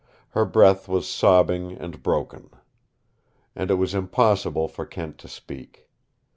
Her breath was sobbing and broken. And it was impossible for Kent to speak.